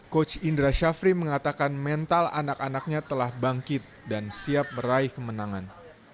coach indra syafri mengatakan mental anak anaknya telah bangkit dan siap meraih kemenangan